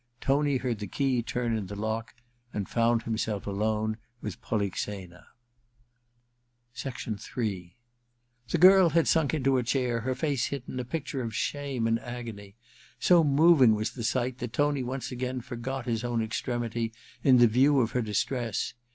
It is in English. Tony heard the key turn in the lock, and found himself alone with Polixena. ni The girl had sunk into a chair, ner face hidden, a picture of shame and agony. So moving was the sight that Tony once again forgot his own extremity in the view of her distress.